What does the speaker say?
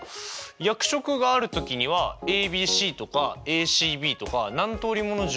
役職がある時にはＡＢＣとかＡＣＢとか何通りもの順列があるんですよね。